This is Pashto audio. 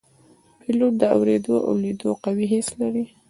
پیلوټ د اوریدو او لیدو قوي حس لري.